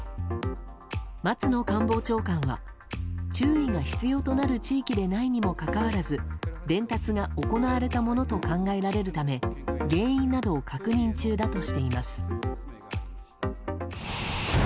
松野官房長官は注意が必要となる地域でないにもかかわらず伝達が行われたものと考えるため原因などを確認中だとしています。